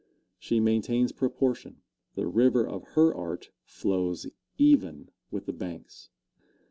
She maintains proportion. The river of her art flows even with the banks.